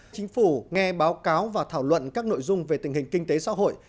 chính phủ nghe báo cáo và thảo luận các nội dung về tình hình kinh tế xã hội